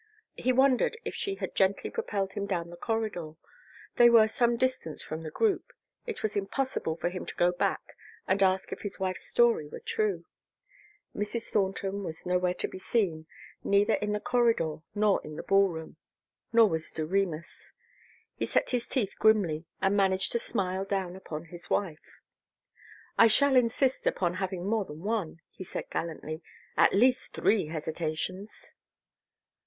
He wondered if she had gently propelled him down the corridor. They were some distance from the group. It was impossible for him to go back and ask if his wife's story were true. Mrs. Thornton was nowhere to be seen, neither in the corridor nor in the ballroom. Nor was Doremus. He set his teeth grimly and managed to smile down upon his wife. "I shall insist upon having more than one," he said gallantly. "At least three hesitations."